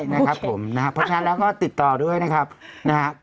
นะครับผมนะครับเพราะฉะนั้นแล้วก็ติดต่อด้วยนะครับนะฮะ